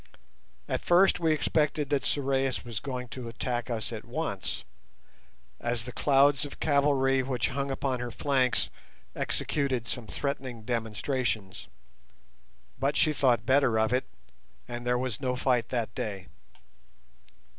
At first we expected that Sorais was going to attack us at once, as the clouds of cavalry which hung upon her flanks executed some threatening demonstrations, but she thought better of it, and there was no fight that day.